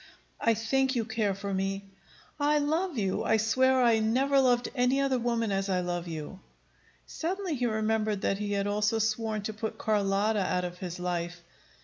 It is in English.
I think you care for me " "I love you! I swear I never loved any other woman as I love you." Suddenly he remembered that he had also sworn to put Carlotta out of his life.